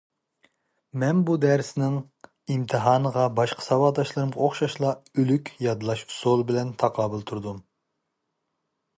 مەن بۇ دەرسنىڭ ئىمتىھانىغا باشقا ساۋاقداشلىرىمغا ئوخشاشلا ئۆلۈك يادلاش ئۇسۇلى بىلەن تاقابىل تۇردۇم.